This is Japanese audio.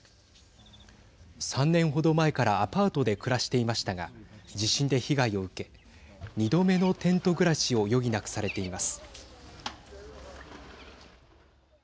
３年程前からアパートで暮らしていましたが地震で被害を受け２度目のテント暮らしを余儀なくされています。